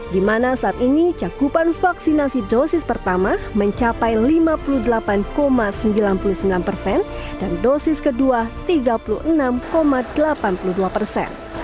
di mana saat ini cakupan vaksinasi dosis pertama mencapai lima puluh delapan sembilan puluh sembilan persen dan dosis kedua tiga puluh enam delapan puluh dua persen